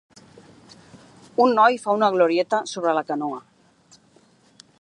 Un noi fa una glorieta sobre la canoa.